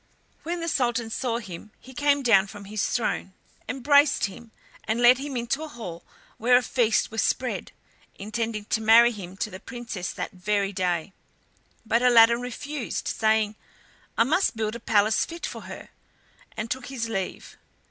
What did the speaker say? When the sultan saw him he came down from his throne, embraced him, and led him into a hall where a feast was spread, intending to marry him to the Princess that very day. But Aladdin refused, saying, "I must build a palace fit for her," and took his leave.